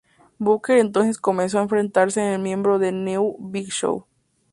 Booker entonces comenzó a enfrentarse con el miembro de nWo, Big Show.